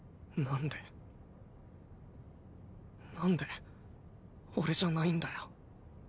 んでなんで俺じゃないんだよ。